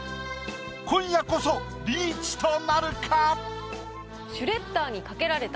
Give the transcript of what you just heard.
今夜こそリーチとなるか？